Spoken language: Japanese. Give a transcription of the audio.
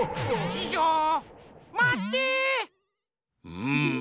うん。